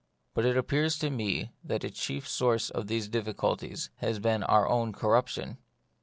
But it appears to me that a chief source of these difficulties has been our own corruption.